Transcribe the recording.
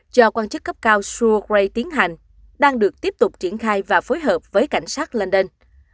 do quan chức cấp cao stuart ray tiến hành đang được tiếp tục triển khai và phối hợp với cảnh sát london